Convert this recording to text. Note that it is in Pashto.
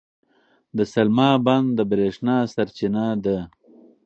د سلما بند د برېښنا سرچینه ده.